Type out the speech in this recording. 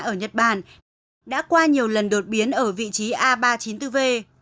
ở nhật bản đã qua nhiều lần đột biến ở vị trí a ba trăm chín mươi bốn v